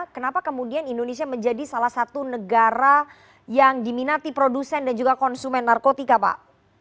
kenapa kemudian indonesia menjadi salah satu negara yang diminati produsen dan juga konsumen narkotika pak